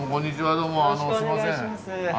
どうもすいません。